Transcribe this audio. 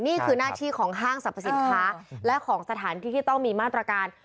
นี่คือหน้าที่ของห้างสรรพสินค้าและของสถานที่ที่ต้องมีมาตรการ